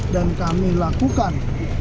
dan kami lakukan